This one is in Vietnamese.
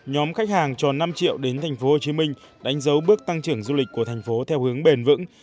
nhóm khách hàng tròn năm triệu đến thành phố hồ chí minh đánh dấu bước tăng trưởng du lịch của thành phố theo hướng bền vững